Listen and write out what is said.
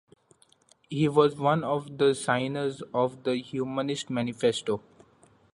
He was one of the signers of the Humanist Manifesto.